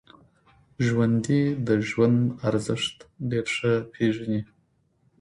ژوندي د ژوند ارزښت ډېر ښه پېژني